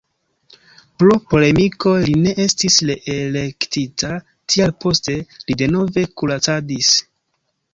Pro polemikoj li ne estis reelektita, tial poste li denove kuracadis.